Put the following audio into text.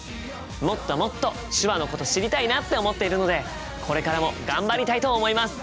もっともっと手話のこと知りたいなって思っているのでこれからも頑張りたいと思います！